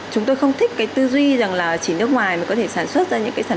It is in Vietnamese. chúng tôi không thích cái tư duy rằng là chỉ nước ngoài mà có thể sản xuất ra những cái sản phẩm